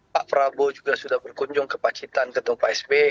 pak prabowo juga sudah berkunjung ke pak citan ke tumpah sp